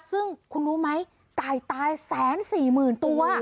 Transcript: ซึ่งคุณรู้ไหมไก่ตาย๑๔๐๐๐ตัว